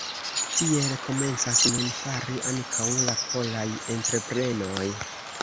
Tiel komencas nun fari ankaŭ la polaj entreprenoj.